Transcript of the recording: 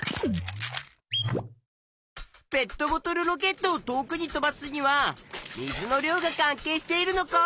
ペットボトルロケットを遠くに飛ばすには「水の量が関係しているのか」